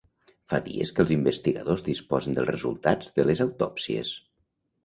Fa dies que els investigadors disposen dels resultats de les autòpsies.